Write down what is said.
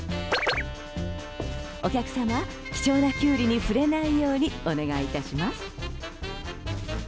お客様貴重なキュウリに触れないようにお願い致します。